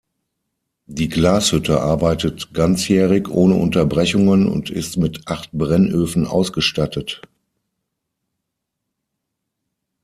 Die Glashütte arbeitet ganzjährig ohne Unterbrechungen und ist mit acht Brennöfen ausgestattet.